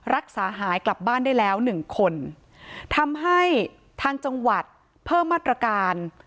รักษาหายกลับบ้านได้แล้วหนึ่งคนทำให้ทางจังหวัดเพิ่มมาตรการ